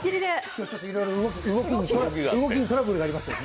いろいろ動きにトラブルがありまして。